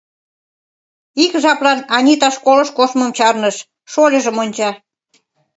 Ик жаплан Анита школыш коштмым чарныш, шольыжым онча.